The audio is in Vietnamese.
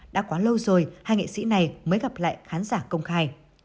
đã quá lâu rồi hai nghệ sĩ này mới gặp lại khán giả công khai